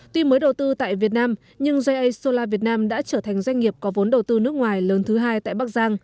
tuy mới đầu tư tại việt nam nhưng ja sola việt nam đã trở thành doanh nghiệp có vốn đầu tư nước ngoài lớn thứ hai tại bắc giang